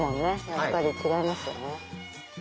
やっぱり違いますよね。